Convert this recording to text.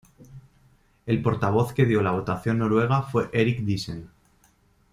El portavoz que dio la votación noruega fue Erik Diesen.